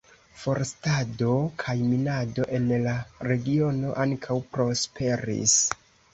Forstado kaj minado en la regiono ankaŭ prosperis.